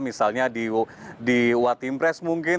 misalnya di watim press mungkin